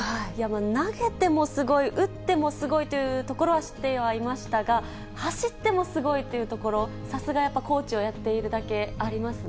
投げてもすごい、打ってもすごいというところは知ってはいましたが、走ってもすごいっていうところ、さすがやっぱ、コーチをやっているだけありますね。